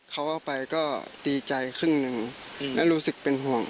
เขาเอาไปก็ดีใจครึ่งหนึ่งและรู้สึกเป็นห่วง